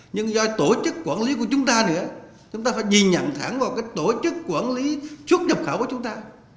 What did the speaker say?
nhưng do tổ chức quản lý của chúng ta nữa chúng ta phải nhìn nhận thẳng vào cái tổ chức quản lý xuất nhập khẩu của chúng ta